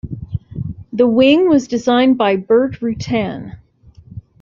The wing was designed by Burt Rutan.